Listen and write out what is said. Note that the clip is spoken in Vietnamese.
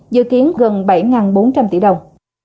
dự kiến gần bảy bốn trăm linh tỷ đồng